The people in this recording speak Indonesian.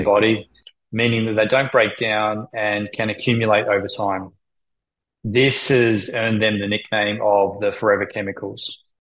maksudnya mereka tidak bergabung dan bisa mengumpulkan sepanjang waktu